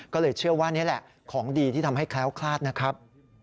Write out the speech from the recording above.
ก็เลยเชื่อว่านี่แหละของดีที่ทำให้แคล้วคลาดนะครับ